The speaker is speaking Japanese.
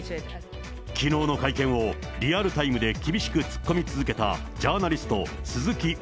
きのうの会見をリアルタイムで厳しく突っ込み続けたジャーナ